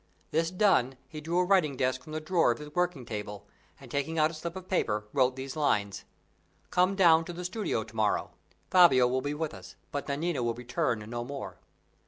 This done, he drew a writing desk from the drawer of his working table, and taking out a slip of paper wrote these lines: "Come down to the studio to morrow. Fabio will be with us, but Nanina will return no more."